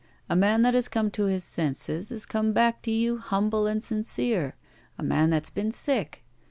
A man that has come to his senses has come back to you humble and sincere. A man that's been sick.